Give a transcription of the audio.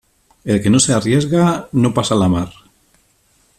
El que no se arriesga no pasa la mar.